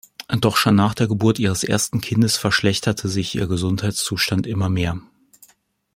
Doch schon nach der Geburt ihres ersten Kindes verschlechterte sich ihr Gesundheitszustand immer mehr.